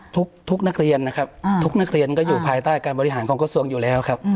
ทุกนักเรียนนะครับทุกนักเรียนก็อยู่ภายใต้การบริหารของกระทรวงอยู่แล้วครับ